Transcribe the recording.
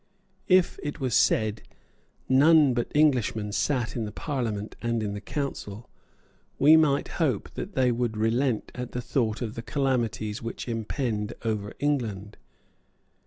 If, it was said, none but Englishmen sate in the Parliament and in the Council, we might hope that they would relent at the thought of the calamities which impend over England.